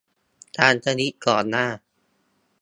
ตามทวีตก่อนหน้า